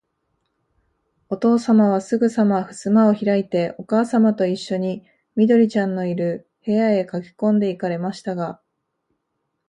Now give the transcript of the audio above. おとうさまは、すぐさまふすまをひらいて、おかあさまといっしょに、緑ちゃんのいる、部屋へかけこんで行かれましたが、